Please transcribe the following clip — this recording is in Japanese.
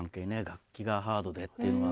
楽器がハードでっていうのが。